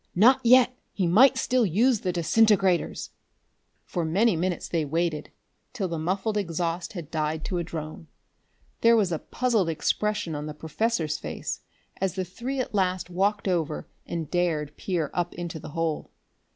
"Not yet! He might still use the disintegrators!" For many minutes they waited, till the muffled exhaust had died to a drone. There was a puzzled expression on the professor's face as the three at last walked over and dared peer up into the hole.